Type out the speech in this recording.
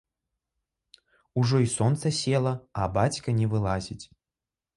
Ужо і сонца села, а бацька не вылазіць.